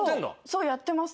そうやってます。